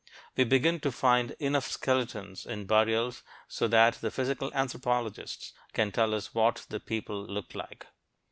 We begin to find enough skeletons in burials so that the physical anthropologists can tell us what the people looked like.